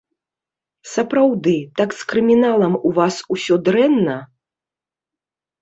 Сапраўды, так з крыміналам у вас усё дрэнна?